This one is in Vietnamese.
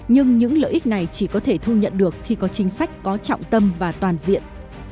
nhưng những lợi ích này chỉ có thể thu nhận được khi có chính sách có trọng tâm và toàn diện